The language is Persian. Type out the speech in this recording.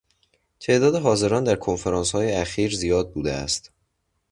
تعداد حاضران در کنفرانسهای اخیر زیاد بوده است.